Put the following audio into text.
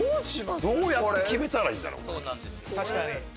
どうやって決めたらいいんだろう？